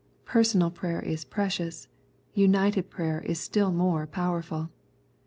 Personal prayer is precious, united prayer is still more powerful.